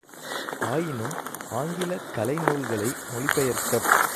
ஆயினும், ஆங்கிலக் கலை நூல்களை மொழி பெயர்க்கப்